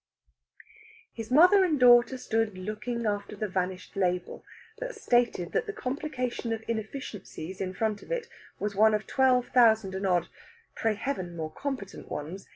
The mother and daughter stood looking after the vanishing label, that stated that the complication of inefficiencies in front of it was one of twelve thousand and odd pray Heaven, more competent ones!